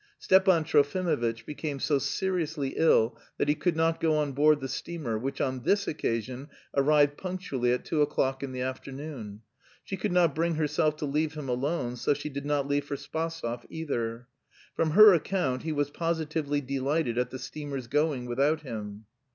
Stepan Trofimovitch became so seriously ill that he could not go on board the steamer, which on this occasion arrived punctually at two o'clock in the afternoon. She could not bring herself to leave him alone, so she did not leave for Spasov either. From her account he was positively delighted at the steamer's going without him.